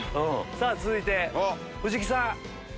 続いて藤木さん。